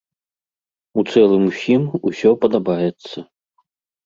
У цэлым ўсім усё падабаецца.